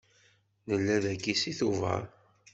Nella dagi seg Tubeṛ.